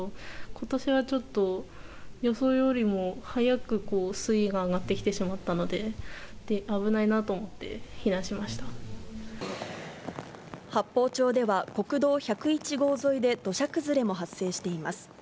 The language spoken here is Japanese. ことしはちょっと、予想よりも早く水位が上がってきてしまったので、危ないなと思っ八峰町では、国道１０１号沿いで土砂崩れも発生しています。